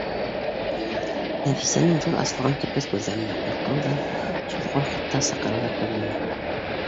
Нәфисәнең ҙур асылған төпһөҙ күҙҙәрендә ҡурҡыу ҙа, шул уҡ ваҡытта саҡырыу ҙа күрҙе ул